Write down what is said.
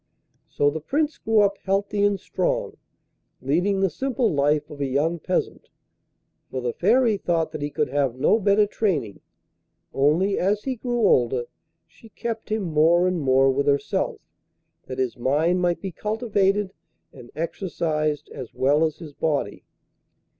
So the Prince grew up healthy and strong, leading the simple life of a young peasant, for the Fairy thought that he could have no better training; only as he grew older she kept him more and more with herself, that his mind might be cultivated and exercised as well as his body.